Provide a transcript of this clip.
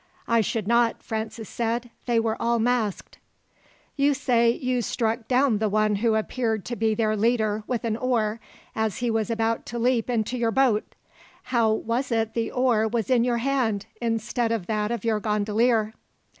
"I should not," Francis said. "They were all masked." "You say you struck down the one who appeared to be their leader with an oar, as he was about to leap into your boat. How was it the oar was in your hand instead of that of your gondolier?"